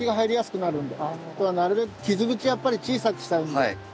なるべく傷口はやっぱり小さくしたいんで。